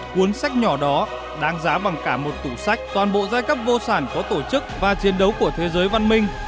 cuốn sách nhỏ đó đáng giá bằng cả một tủ sách toàn bộ giai cấp vô sản có tổ chức và chiến đấu của thế giới văn minh